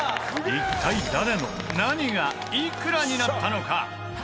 一体、誰の何がいくらになったのか？